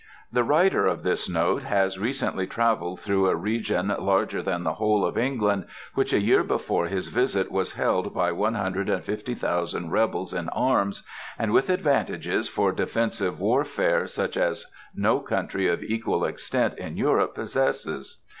The writer of this note has recently travelled through a region larger than the whole of England, which a year before his visit was held by one hundred and fifty thousand rebels in arms, and with advantages for defensive warfare such as no country of equal extent in Europe possesses.